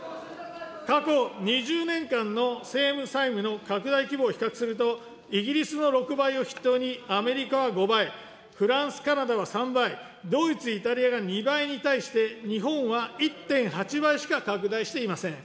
過去２０年間のせいむ債務の拡大規模を比較すると、イギリスの６倍を筆頭に、アメリカは５倍、フランス、カナダは３倍、ドイツ、イタリアが２倍に対して、日本は１．８倍しか拡大していません。